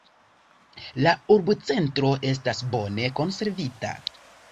La urbocentro estas bone konservita.